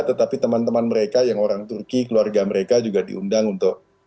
tetapi teman teman mereka yang orang turki keluarga mereka juga diundang untuk